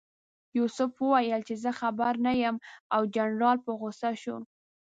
یوسف وویل چې زه خبر نه یم او جنرال په غوسه شو.